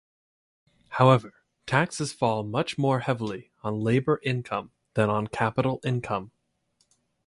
However, taxes fall much more heavily on labor income than on capital income.